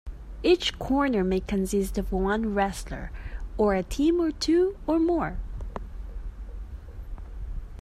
Each corner may consist of one wrestler, or a team of two or more.